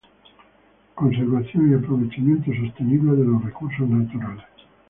Conservación y aprovechamiento sostenible de los recursos naturales.